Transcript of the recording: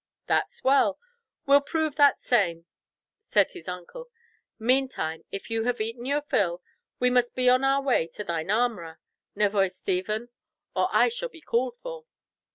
"That's well. We'll prove that same," said his uncle. "Meantime, if ye have eaten your fill, we must be on our way to thine armourer, nevoy Stephen, or I shall be called for."